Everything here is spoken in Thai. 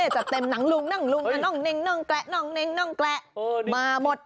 จัดเต็มหนังลุงน่องเนงแกะมาหมด